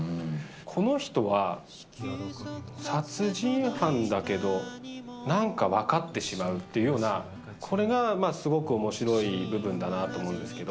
この人は殺人犯だけど、なんか分かってしまうっていうような、これがまあ、すごくおもしろい部分だなと思うんですけど。